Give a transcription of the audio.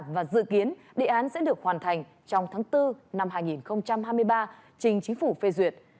và dự kiến đề án sẽ được hoàn thành trong tháng bốn năm hai nghìn hai mươi ba trình chính phủ phê duyệt